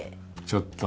ちょっと。